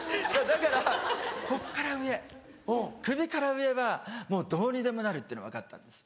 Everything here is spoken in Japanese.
だからこっから上首から上はもうどうにでもなるっていうの分かったんです。